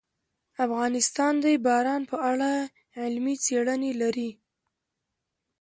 افغانستان د باران په اړه علمي څېړنې لري.